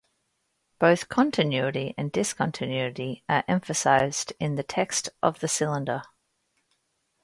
Both continuity and discontinuity are emphasized in the text of the Cylinder.